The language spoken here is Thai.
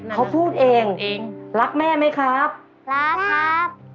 เขาพูดเองรักแม่ไหมครับรักครับ